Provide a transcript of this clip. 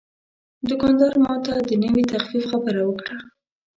دوکاندار ماته د نوې تخفیف خبره وکړه.